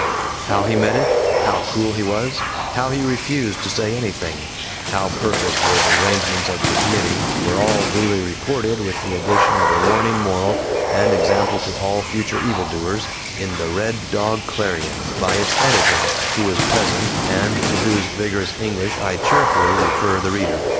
How he met it, how cool he was, how he refused to say anything, how perfect were the arrangements of the committee, were all duly reported, with the addition of a warning moral and example to all future evildoers, in the RED DOG CLARION, by its editor, who was present, and to whose vigorous English I cheerfully refer the reader.